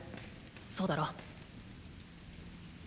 そうだろ？